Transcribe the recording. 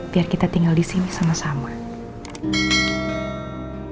biar kita tinggal di sini sama sama